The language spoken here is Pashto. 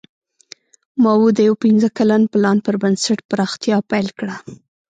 ماوو د یو پنځه کلن پلان پر بنسټ پراختیا پیل کړه.